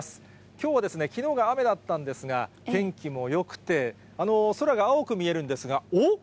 きょうはですね、きのうが雨だったんですが、天気もよくて、空が青く見えるんですが、おっ？